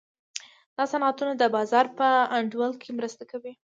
دا صنعتونه د بازار په انډول کې مرسته کوي.